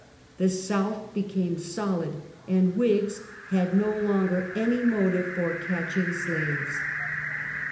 The South became solid, and Whigs had no longer any motive for catching slaves.